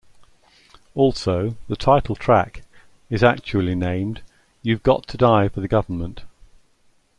Also the "title track" is actually named You've Got to Die for the Government.